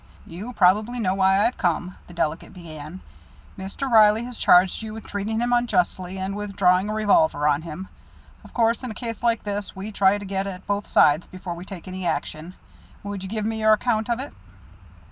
"You probably know why I've come," the delegate began. "Mr. Reilly has charged you with treating him unjustly and with drawing a revolver on him. Of course, in a case like this, we try to get at both sides before we take any action. Would you give me your account of it?"